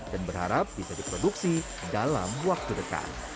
dan berharap bisa diproduksi dalam waktu dekat